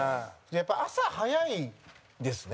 やっぱり、朝早いんですね。